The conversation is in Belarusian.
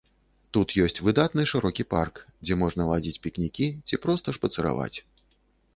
Тут ёсць выдатны шырокі парк, дзе можна ладзіць пікнікі ці проста шпацыраваць.